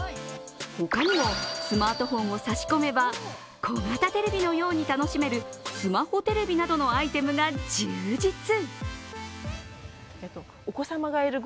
他にもスマートフォンを差し込めば、小型テレビのように楽しめるスマホテレビなどのアイテムが充実。